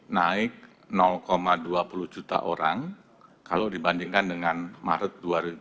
naik dua puluh juta orang kalau dibandingkan dengan maret dua ribu dua puluh